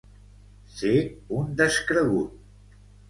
Ser un descregut.